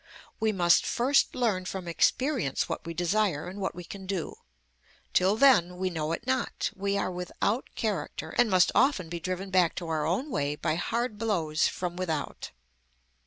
We must first learn from experience what we desire and what we can do. Till then we know it not, we are without character, and must often be driven back to our own way by hard blows from without.